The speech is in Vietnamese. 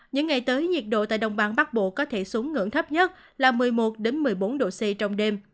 những ngày tới nhiệt độ tại đồng bằng bắc bộ có thể xuống ngưỡng thấp nhất là một mươi một một mươi bốn độ c trong đêm